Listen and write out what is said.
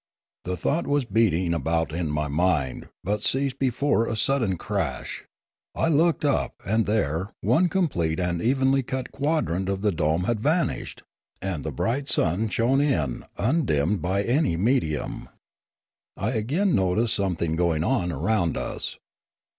The thought was beating about in my mind, but ceased before a sudden crash; I looked up and there, one complete and evenly cut quadrant of the dome had vanished, and the bright sun shone in undimmed by any medium. I again noticed something going on around us.